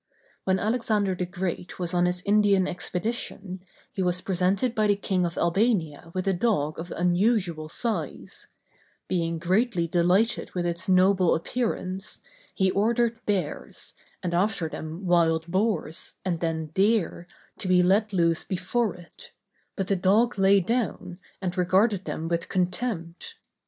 When Alexander the Great was on his Indian expedition, he was presented by the king of Albania with a dog of unusual size; being greatly delighted with its noble appearance, he ordered bears, and after them wild boars, and then deer, to be let loose before it; but the dog lay down, and regarded them with contempt.